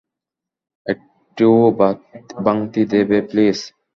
একটু ভাংতি দেবে, প্লিজ?